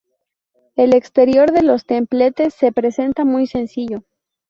El exterior de los templetes se presenta muy sencillo.